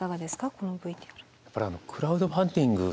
このＶＴＲ。